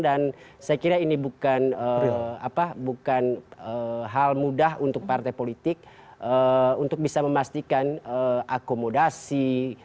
dan saya kira ini bukan hal mudah untuk partai politik untuk bisa memastikan akomodasi